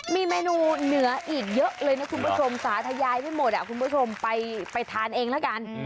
มีเมนูเหนืออีกเยอะเลยนะคุณผู้ชมสาธยายไม่หมดคุณผู้ชมไปทานเองแล้วกัน